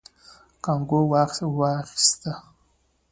کانګو واخيست.